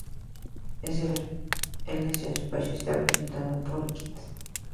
El espacio esta presentado por Kitt.